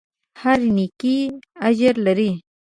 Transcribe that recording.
هره نېکۍ اجر لري.